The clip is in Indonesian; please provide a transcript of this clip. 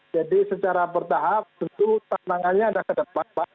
jadi secara bertahap tentu tantangannya ada ke depan pak